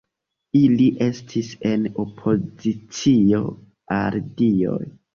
Ili estis en opozicio al dioj.